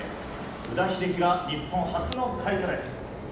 宇田秀生が日本初の快挙です。